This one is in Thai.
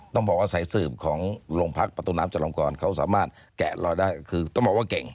ต้องบอกว่าสายสืบของโรงพักประตูน้ำจรลงกรเขาสามารถแกะรอยได้คือต้องบอกว่าเก่ง